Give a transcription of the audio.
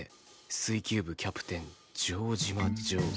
「水球部キャプテン城島譲」